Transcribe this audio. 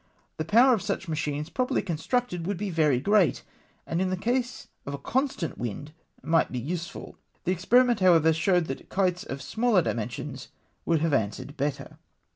The power of such machines, properly constructed, would be very great ; and in the case of a constant wind, might be useful. The experiment, however, showed that kites of smaller dimensions would have answered better.